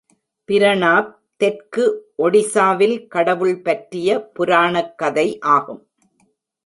பிரணாப் தெற்கு ஒடிசாவில் கடவுள் பற்றிய புராணக்கதை ஆகும்.